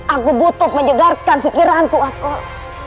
aku butuh menjegarkan fikiranku waskoro